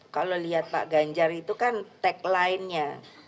kalau lihat pak ganjar itu kan tagline nya